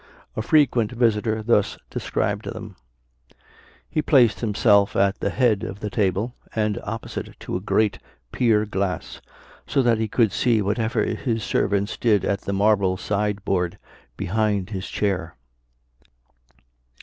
A frequent visitor thus described them: He placed himself at the head of the table, and opposite to a great pier glass, so that he could see whatever his servants did at the marble side board behind his chair.